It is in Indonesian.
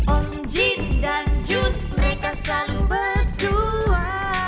om jin dan jun mereka selalu berdua